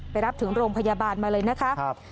รับถึงโรงพยาบาลมาเลยนะคะ